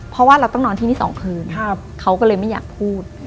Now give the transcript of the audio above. เพราะว่าเราต้องนอนที่นี่๒คืนเขาก็เลยไม่อยากพูด